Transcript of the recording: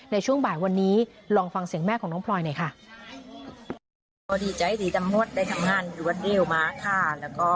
ในช่วงบ่ายวันนี้ลองฟังเสียงแม่ของน้องพลอยหน่อยค่ะ